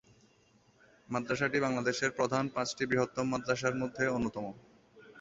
মাদ্রাসাটি বাংলাদেশের প্রধান পাঁচটি বৃহত্তম মাদ্রাসার মধ্যে অন্যতম।